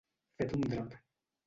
Fet un drap.